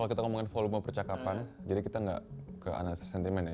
kalau kita ngomongin volume percakapan jadi kita nggak ke analisis sentimen ya